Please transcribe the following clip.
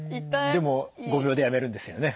でも５秒でやめるんですよね？